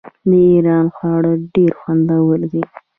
د ایران خواړه ډیر خوندور دي.